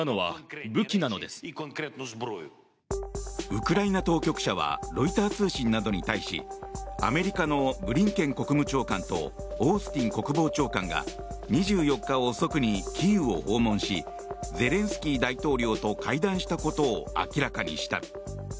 ウクライナ当局者はロイター通信などに対しアメリカのブリンケン国務長官とオースティン国防長官が２４日遅くにキーウを訪問しゼレンスキー大統領と会談したことを明らかにした。